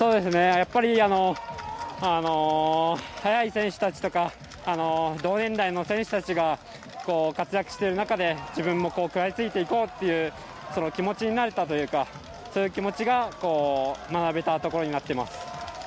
やっぱり速い選手たちとか同年代の選手たちが活躍している中で自分も食らいついていこうという気持ちになれたというかそういう気持ちが学べたところになっています。